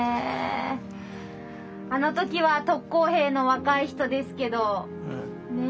あの時は特攻兵の若い人ですけどね